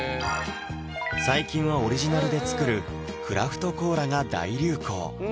最近はオリジナルで作るクラフトコーラが大流行